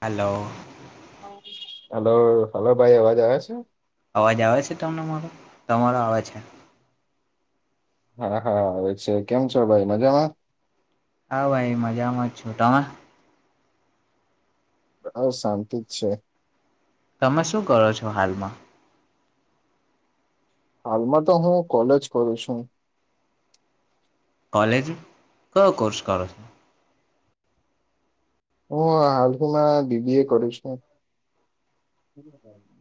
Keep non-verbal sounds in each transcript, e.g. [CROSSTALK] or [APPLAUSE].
Hello. Hello hello ભાઈ અવાજ આવે છે. અવાજ આવે છે તમને મારો તમારો આવે છે. હા હા આવે છે કેમ છો ભાઈ મજામાં. હા ભાઈ મજામાં જ છું તમે. આવ શાંતિ જ છે. તમે શું કરો છો હાલમાં. હાલમાં તો હું કોલેજ કરું છું. કોલેજ કયો કોર્સ કરો છ. હું હાલમાં બીબી એ કરુ છુ.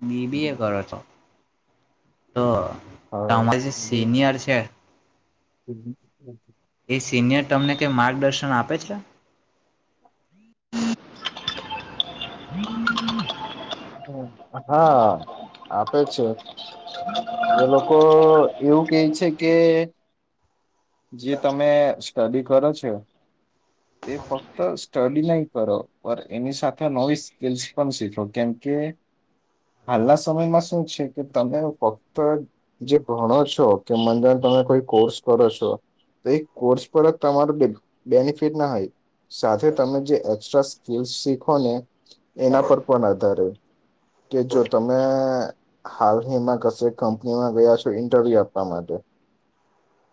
બીબી એ કર છો. તો. તમે જે સિનિયર છે. હમ એ સિનિયર તમને કઈ માર્ગદર્શન આપે છે. [INAUDIBLE] [INAUDIBLE] હ હા આ તો છે. [INAUDIBLE] એ લોકો એવું કે છે કે જે તમે સ્ટડી કરો છો, તે ફક્ત સ્ટડી નહી કરો પર એની સાથે નવી સ્કિલ્સ પણ શીખો. કેમકે હાલના સમયમાં શું છે કે તમે પર જે ભણો છો, કે મ તમે કોઈ કોર્સ કરો છો, તો એ કોર્સ પર જ તમારો બે બેનિફિટ ના હોય. સાથે તમે જે એક્સ્ટ્રા સ્કીલસ શીખો ને એના પર પણ આધારે. કે જો તમે હાલહીમાં કશે કંપનીમાં ગયા છો ઇન્ટરવ્યુ આપવા માટે.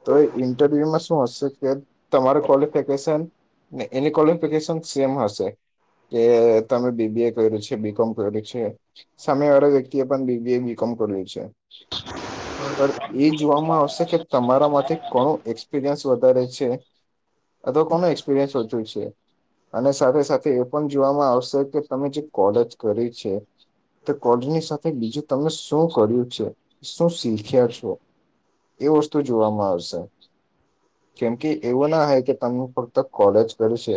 તો એ ઇન્ટરવ્યુમાં શું હશે કે, તમાર કોલીફીકેશન ને એની કોલીફીકેશન સેમ હશે. કે તમે બીબીએ કર્યું છે, બીકોમ કર્યું છે. સામે વાળા વ્યક્તિએ પણ બીબીએ, બીકોમ કર્યું છે. પણ એ જોવાવામાં આવશે કે તમારા માટેથી કોનો એક્સપિરિયન્સ વધારે છે. અથવા કોણ એક્સપિરિયન્સ વધુ છે. અને સાથે સાથે એ પણ જોવામાં આવશે કે તમે જે કોલેજ કરી છે. તે કોલેજની સાથે બીજું તમે શું કર્યું છે. શું શીખ્યા છો. એ વસ્તુ જોવામાં આવશે. કેમ કે એવું ના હ કે તમે ફક્ત કોલેજ કરીસે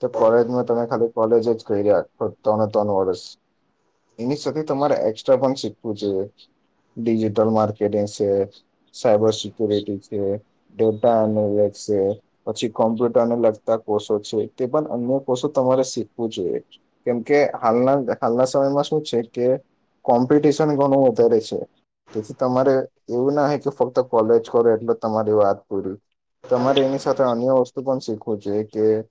તો કોલેજમાં તમે ખાલી કોલેજ જ કર્યા ફક્ત ત્રણે ત્રણ વર્ષ. એની સાથે તમારે એકસ્ટ્રા પણ શીખવું જોઈએ. ડિજિટલ માર્કેટિંગ શે. સાયબર સિકરિટી છે. ડેટા એનાલસ છે. પછી કોમ્પ્યુટરને લગતા કોષો છે. તે પણ અન્ય કોષો તમારે શીખવું જોઈએ. કેમકે હાલના હાલના સમયમાં શું છે કે કોમ્પિટિશન ઘણું દરે છે. તેથી તમારે એવું ના હો કે ફક્ત કોલેજ કરો એટલે તમારી વાત પૂરી તમારે એની સાથે અન્ય વસ્તુ પણ શીખવું જોઈએ. કે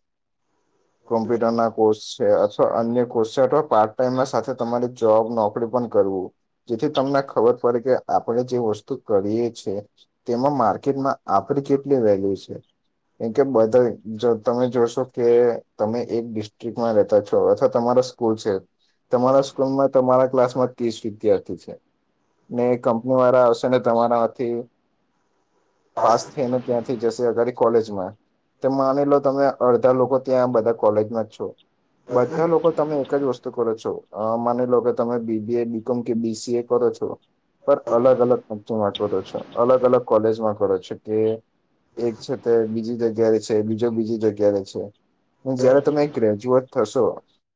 કોમ્પ્યુટર ના કોર્સ છે. અથવા અન્ય કોર્સ છે. અથવા પાર્ટ ટાઈમ સાથે તમારી જોબ નોકરી પણ કરવું. જેથી તમને ખબર પડે કે આપણે જે વસ્તુ કરીએ છે, તેમાં માર્કેટમાં આપણી કેટલી વેલ્યુ છે. કેમ કે બધા જો તમે જોશો કેએ તમે એક ડિસ્ટ્રિકમાં રહેતા છો. અથવા તમારા સ્કૂલ છે તમારા સ્કૂલમાં તમારા ક્લાસ પત્રીસ વિદ્યાર્થી છે. ને કંપની વાળા આવશે ને તમારાથી પાસ થઈને ત્યાંથી જશે અરે કોલેજમાં, માની લો તમે અડધા લોકો ત્યાં બધા કોલેજમાં જ છો. બધા લોકો તમે એક જ વસ્તુ કરો છો. માની લો કે તમે બીબીએ, બીકોમ કે બીસી એ કરો છો. પર અલગ-અલગ અમાં કંપની માં શોધો છો. અલગ અલગ કોલેજમાં ફરે છે. કે એક છે તે બીજી જગ્યાએ છે. બીજો બીજી જગ્યાએ છે. પણ જયારે તમે ગ્રેજ્યુએટ થશો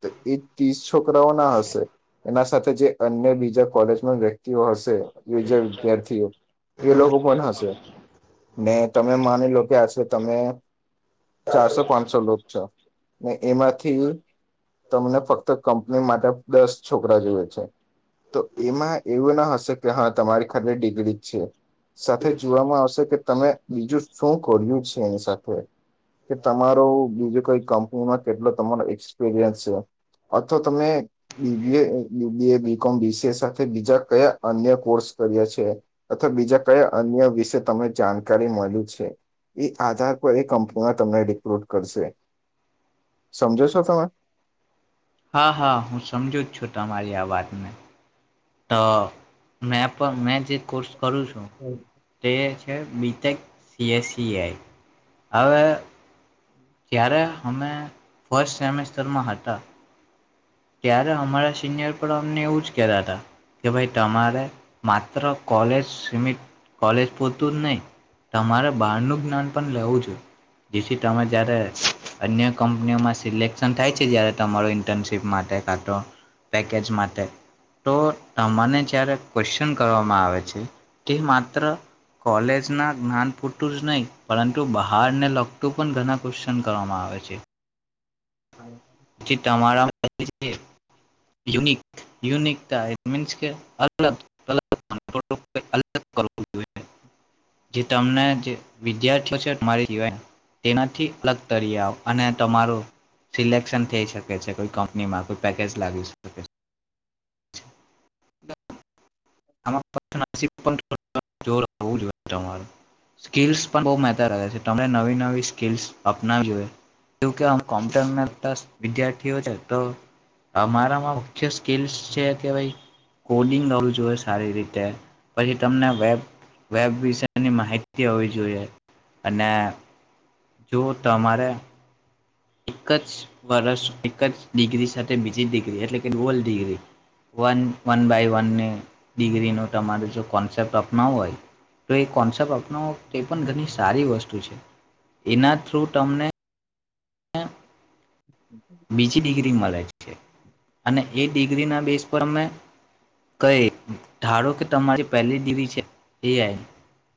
તો એ ત્રીસ છોકરાઓ ના હશે. એના સાથે જે અન્ય બીજા કોલેજમાં વ તેઓ હશે. યોજ વિદ્યાર્થીઓ એ લોકો કોણ હશે ને તમે માની લો કે આશરે તમે ચારસો પાંચસો લોકો છ ને એમાંથી તમને ફક્ત કંપની માટે બેસ્ટ છોકરા જોઈએ છે. તો એમાં એવું ના હશે કે હા તમારી ખાલી ડિગ્રી જ છે. સાથે જોવામાં આવશે કે, તમે બીજું શું કર્યું છે. એની સાથે કે તમારો બીજું કોઈ કંપનીમાં કેટલો તમારો એક્સપિરિયન્સ છે. અથવા તમે બીબીએ, બીબીએ, બીકોમ, બીસીએ સાથે બીજા કયા અન્ય કોર્સ કર્યા છે. અથવા બીજા કયા અન્ય વિશે તમને જાણકારી મળી છે. એ આધાર પર એ કંપનીમાં તમને રિક્રુટ કરશે. સમજો છો? તમે હા હા હું સમજુ જ છું તમારી આ વાતને. તો મે પણ મે જે કોર્સ કરું છું તે બી તક સીએસસીઆ હવે ત્યારે અમે ફસ્ટ સેમેસ્ટરમાં હતા ત્યારે અમારા સિનિયર પણ અમને એવું જ કેતા હતા કે ભાઈ તમારે માત્ર કોલેજ કોલેજ પોતું જ નહીિ તમારે બાર નું જ્ઞાન પણ લેવું જો જેથી તમે જયારે અન્ય કંપનીઓમાં સિલેક્શન થાય છે જ્યારે તમારો ઇન્ટર્નશીપ માટે પેકેજ માટે તો તમાને જ્યારે ક્વેશ્ચન કરવામાં આવે છે તે માત્ર કોલેજના જ્ઞાન પૂરતું જ નહીં પરંતુ બહારને લગતું પણ ઘણા ક્વેશ્ચન કરવામાં આવે છે હા િકયુનિકતા મી કે જે તમને જે વિદ્યાર્થીઓ છેરી જીન તેનાથી અલગ તરી આવ અને તમારો સિલેક થઈ શકે છે કોઈ કંપનીમાં કોઈ પેકેજ લાગી શકે છે જો જોઈ તમા સ્કલ્સ પણ બહ મતા રહેે છે ત નવી નવી સ્કલ્સ અપનાવીવી જોઈએ જો કે આમ કોમ્પ્યુટર વિદ્યાર્થીઓ છે તો અમારામાં મુખ્ય સ્કીલ્સ છે કે ભાઈ કોડિંગ લવું જોઈએ સારી રીતે પછી તમને વેબ વેબ વિશેની માહિતી હોવી જોઈએ અને જો તમારે એક જ વર્ષ એક જ ડિગ્રી સાથે બીજી ડિગ્રી એટલે કે goal degree one one by વનને ડિગ્રીનો તમારે જો કોન્સેપ્ટ અપનાવવો હોય તો એ કોન્સેપ્ટ અપનાવો તે પણ ઘણી સારી વસ્તુ છે એના થ્રુ તમને બીજીી ડિગ્રીલા છે અને એ ડિગ્રીના બેસ પર અમે કહી ધારો કે તમારી જે પહેલી ડિગ્રી છે એ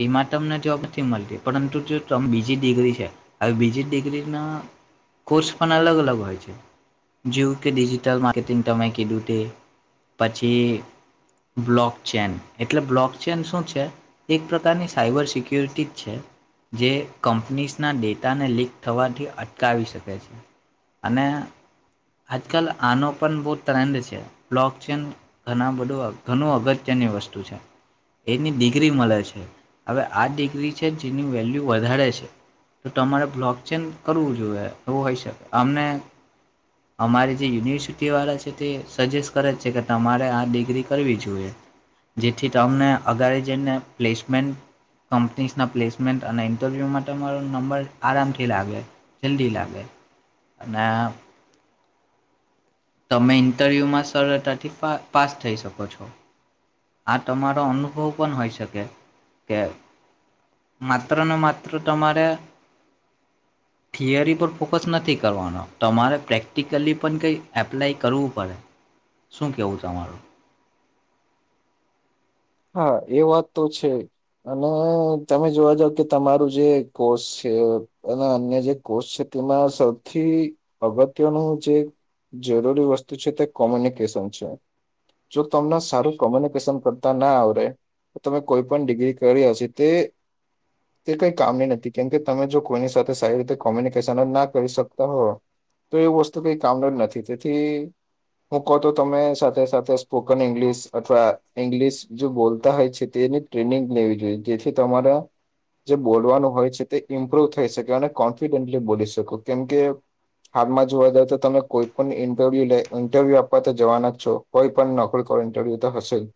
એમાં તમને જોબ નથી મળતી પરંતુ જો બીજી ડિગ્રી છે આવી બીજી ડિગ્રી ના કોર્સ પણ અલગ અલગ હોય છે જેવું કે ડિજિટલ માર્કેટિંગ તમે કીધું તે પછી બ્લોક ચેન એટલે બ્લોક ચેન શું છે એક પ્રકારની સાઈબર સિક્યોરિટી જ છે જે કંપનીઝના ડેટાને લીક થવાથી અટકાવી શકે છે અને આજકાલ આનો પણ બહુ ટ્રેન્ડ છે બ્લોકચેન ઘણા બધું ઘણું અગત્યની વસ્તુ છે એની ડિગ્રી મળે છે હવે આ ડિગ્રી છે જેની વેલ્યુ વધારે છે તો તમારે બ્લોક ચેન કરવું જોઈએ એવું હોઈ શકે અમને અમારી જે યુનિવર્સિટીવાળા છે તે સજેસ્ટ કરે છે કે તમારે આ ડિગ્રી કરવી જોઈએ જેથી તમને અગાળ જઈને પ્લેસમેન્ટ કંપનીસના પ્લેસમેન્ટ અને ઇન્ટરવ્યૂ માટે મારો નંબર આરામથી લાગે જલ્દી લાગે અને તમે ઇન્ટરવ્યુમાં સરળતાથી પાસ થઈ શકો છો આ તમારો અનુભવ પણ હોઈ શકે કે માત્ર ને માત્ર તમારે થિયરી પર ફોકસ નથી કરવાનો તમારે પ્રેક્ટિકલી પણ કંઈ એપ્લાય કરવું પડે શું કેવું તમારું હા એ વાત તો છે અને તમે જોવા જાવ કે તમારું જે કોષ છે અને અન્ય જે કોષ છે તેમાં સૌથી અગત્યનું જે જરૂરી વસ્તુ છે તે કોમ્યુનિકેશન છે જો તમને સારું કોમ્યુનિકેશન કર ના આવ તમે કોઈ પણ ડિગ્રી કરી હ તે તે કઈ કામની નથી કેમકે તમે જો કોઈની સાથે સારી રીતે કોમ્યુનિકેશન જ ના કરી શકતા હો તો એ વસ્તુ કઈ કામની જ નથી તેથી હું કહતો તમે સાથે સાથે સ્પોકન ઇંગ્લશ અથવા ઇંગ્લશ જો બોલતા હોય છે તેની ટ્રેનિંગ લેવી જોઈએ જેથી તમારા જે બોલવાનું હોય છે તે ઇમ્પ્રુવ થઈ શકે અને કોન્ફિડન્ટલી બોલી શકો કેમ કે હાલમાં જોવા જ તો તમે કોઈ પણ ઇન્ટરવ્યુ લે ઇન્ટરવ્યુ આપવા તો જવાના જ છો કોઈ પણ નોકરી ઇન્ટરવ્યુ તો હશે જ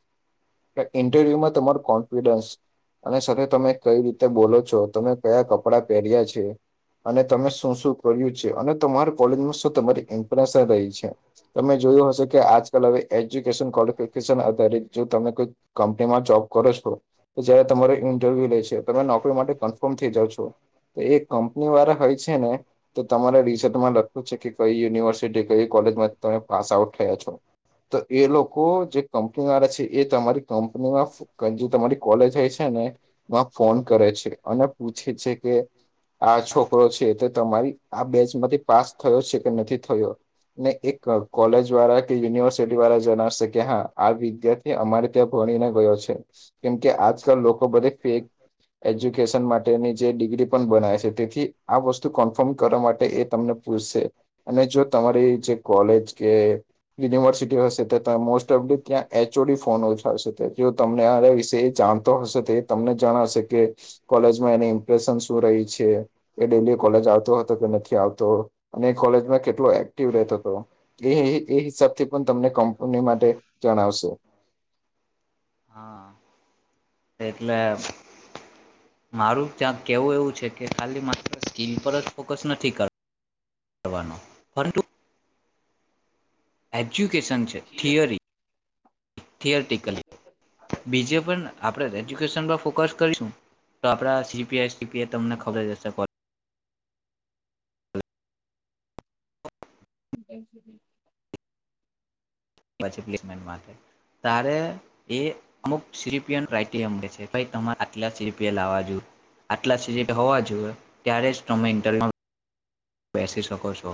ઇન્ટરવ્યુમાં તમારું કોન્ફિડન્સ અને સાથે તમે કઈ રીતે બોલો છો તમે કયા કપડાં પહેર્યા છે અને તમે શું શું કર્યું છે અને તમારી કોલેજમાં શું તમારી ઇમ્પ્રેસ રહી છે તમે જોયું હશે કે આજકાલ હવે એજ્યુકેશન ક્વોલિફિકેશન આધારિત જો તમે કોઈ કંપનીમાં જોબ કરો છો તો જયારે તમારો ઇન્ટરવ્યુ લે છે તમે નોકરી માટે કન્ફર્મ થઈ જાવ છો તો એ કંપની વાળા હોય છે ને તો તમારે રિસર્ચમાં લખું છે કે કઈ યુનિવર્સિટી કઈ કોલેજમાં તમે પાસ આઉટ થયા છો તો એ લોકો જે કંપની વાળા છે એ તમારી કંપનીમાં જે તમારી કોલેજ થય છે ને એમાં ફોન કરે છે અને પૂછે છે કે આ છોકરો છે તે તમારી આ બેચમાંથી પાસ થયો છે કે નથી થયો ને એ કોલેજ વાળા કે યુનિવર્સિટી વાળા જણશે કે હા આ વિ્યાર્ એ અમારે ત્યાં ભણીને ગયો છે કેમકે આજકાલ લોકો બધે ફેક એજ્યુકેશન માટેની જે ડિગ્રી પણ બનાવે છે તેથી આ વસ્તુ કન્ફર્મ કરવા માટે એ તમને પૂછશે અને જો તમારી જે કોલેજ કે યુનિવર્સિટી હશે તો તમે મોસ્ટ ઓફડી ત્યાં એચ ચોડી ફોન ઓછશે જો તમને આ વિશે એ જાણતો હશે તો તમને જણાશે કે કોલેજમાં એની ઇમ્પ્રેશન શું રહી છે એ ડેલી કોલેજ આવતો કે નથી આવતો અને કોલેજમાં કેટલો એક્ટિવ રહેતો હતો એ એ હિસાબથી પણ તમને કંપની માટે જણાવશે હા એટલે મારું ત્યાં કેવું એવું છે, કે ખાલી માત્ર સ્કીલ પર જ ફોકસ નથી એજ્યુકેશન છે થિયરી [INAUDIBLE] [UNINTELLIGIBLE] બીજ પણ આપણે એજ્યુકેશન પર ફોકસ કરીશું તો આપડા [UNINTELLIGIBLE] તમને [UNINTELLIGIBLE] [INAUDIBLE] જય [UNINTELLIGIBLE] પછી પ્લેસમેન્ટ માટે, તારે એ અમુક સીરીપીએન રાઇટડે છે ભ તમારે આટલા સીપીએલ આવવા જો, આટલા સીપએલ હોવા જોઈએ, ત્યારે જ તમે ઇન્ટરવ્યુ બેસી શકો છો.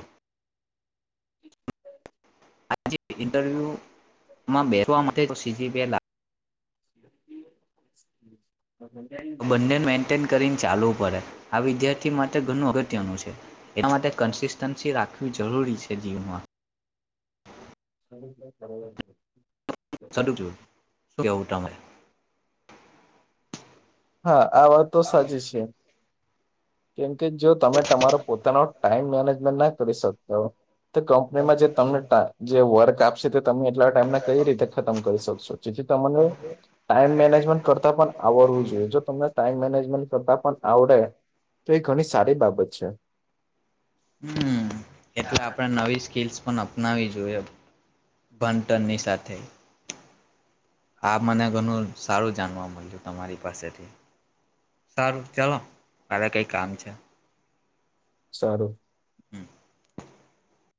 આજ ઇન્ટરવ્યૂમાં બેઠવા માટે તો સીજી બે લાગ. હમ બંને મેન્ટેન કરીને. ચાલુ પડે આ વિદ્યાર્થી માટે ઘણું અગત્યનું છે. એના માટે કન્સિસ્ટન્સી રાખવી જરૂરી છે જીવનમાં. સરુ પણ [UNINTELLIGIBLE] સાડુક કેવ [UNINTELLIGIBLE] ટમે હા આ વાત તો સાચી છે. કેમ. કે જો તમે તમારો પોતાનો ટાઈમ મેનેજમેન્ટ ના કરી સકતા હો. તો કંપનીમાં જે તમને ટા જે વર્ક કાશે તો તમે એટલા ટાઈમને કઈ રીતે ખતમ કરી શકશો જેથી તમને ટાઈમ મેનેજમેન્ટ કરતા પણ આવરવું જોઈએ. જો તમને ટાઈમ મેનેજમેન્ટ કરતા પણ આવડે તો એ ઘણી સારી બાબત છે. હમ્મ એટલા આપણે નવી સ્કીસ પણ અપનાવીવી જોઈએ ભણતરની સાથે હા મને ઘણું સારું જાણવા મળ્યું તમારી પાસેથી સારું ચલો કારે કઈ કામ છે. સારું. હમ્મ.